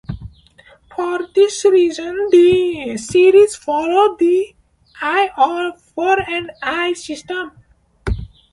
For this reason, the series followed the "eye for an eye" system.